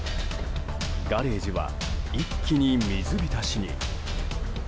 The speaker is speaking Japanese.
ガレージは一気に水浸しに。